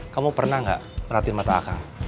kamu pernah gak merhatiin mata akang